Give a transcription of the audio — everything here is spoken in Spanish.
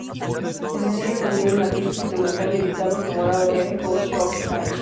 El sencillo contiene una pista instrumental editado como lado B, "Four Forks Ache.